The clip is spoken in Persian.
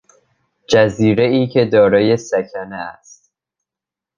جزیرهای که دارای سکنه است